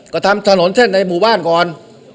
ก็ทำถนนเส้นในหมู่บ้านก่อน